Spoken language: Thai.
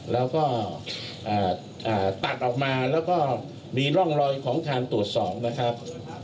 แล้วก็ตัดออกมาแล้วก็มีร่องรอยของการตรวจสอบนะครับ